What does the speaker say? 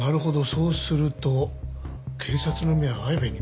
そうすると警察の目は綾部に向きますよね。